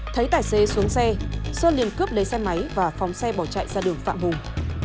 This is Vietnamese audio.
thấy tài xế xuống xe sơn liền cướp lấy xe máy và phóng xe bỏ chạy ra đường phạm hùng